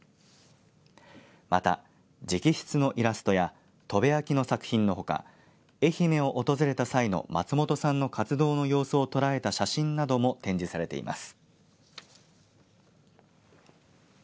また、直筆のイラストや砥部焼の作品のほか愛媛を訪れた際の松本さんの活動の様子を捉えた写真なども展示されています。